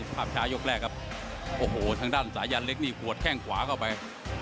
ภาพช้ายกแรกครับโอ้โหทางด้านสายันเล็กนี่หัวแข้งขวาเข้าไป